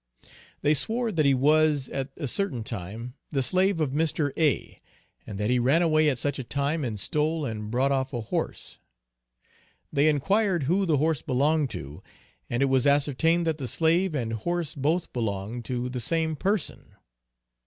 They swore that he was, at a certain time, the slave of Mr. A., and that he ran away at such a time and stole and brought off a horse. They enquired who the horse belonged to, and it was ascertained that the slave and horse both belonged to the same person.